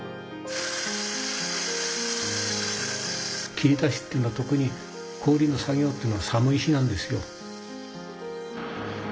切り出しっていうのはとくに氷の作業っていうのは寒い日なんですよ。